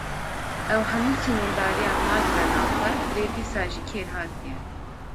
Ew hemû sînordariyan nagire nav xwe, lê dîsa jî kêrhatî ye.